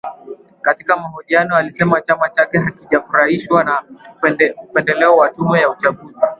Katika mahojiano alisema chama chake hakijafurahishwa na upendeleo wa tume ya uchaguzi